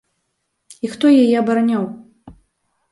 І хто яе абараняў?